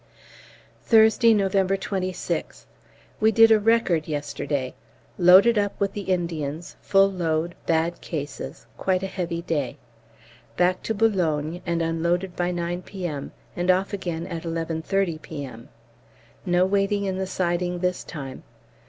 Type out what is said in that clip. Thursday, November 26th. We did a record yesterday. Loaded up with the Indians full load bad cases quite a heavy day; back to B. and unloaded by 9 P.M., and off again at 11.30 P.M. No waiting in the siding this time.